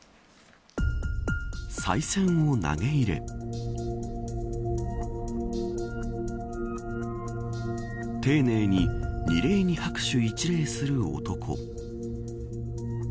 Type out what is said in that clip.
さい銭を投げ入れ丁寧に二礼二拍手一礼する男。